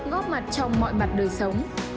góp mặt trong mọi mặt đời sống